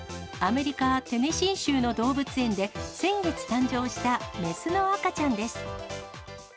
アメリカ・テネシー州の動物園で先月誕生した雌の赤ちゃんです。